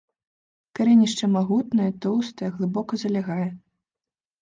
Карэнішча магутнае, тоўстае, глыбока залягае.